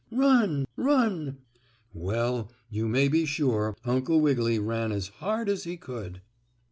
Run! Run!" Well, you may be sure Uncle Wiggily ran as hard as he could.